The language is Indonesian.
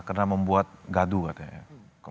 karena membuat gaduh katanya ya